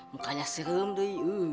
mukanya serem deh